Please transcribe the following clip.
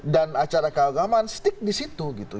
dan acara keagamaan stick disitu gitu